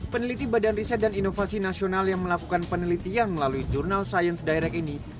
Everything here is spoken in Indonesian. peneliti badan riset dan inovasi nasional yang melakukan penelitian melalui jurnal science direct ini